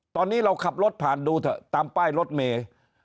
ตอนนี้เราขับรถผ่านดูเถอะตามป้ายรถเมย์